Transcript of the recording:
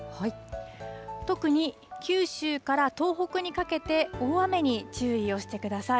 特に九州から東北にかけて、大雨に注意をしてください。